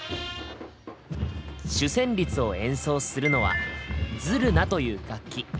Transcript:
主旋律を演奏するのは「ズルナ」という楽器。